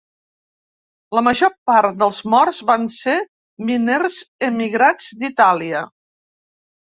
La major part dels morts van ser miners emigrats d'Itàlia.